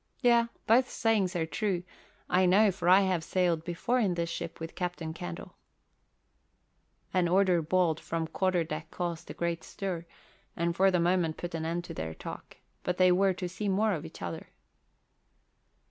"Yea, both sayings are true. I know, for I have sailed before in this ship with Captain Candle." An order bawled from the quarter deck caused a great stir, and for the moment put an end to their talk, but they were to see more of each other.